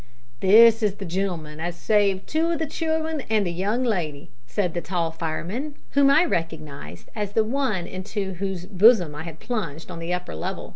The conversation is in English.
"This is the gen'leman as saved two o' the child'n an' the young lady," said the tall fireman, whom I recognised as the one into whose bosom I had plunged on the upper floor.